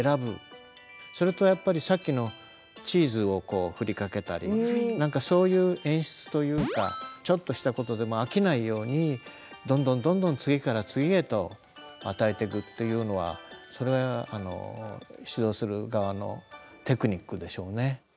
それとやっぱりさっきのチーズを振りかけたりそういう演出というかちょっとしたことでも飽きないようにどんどんどんどん次から次へと与えてくというのはそれは指導する側のテクニックでしょうね。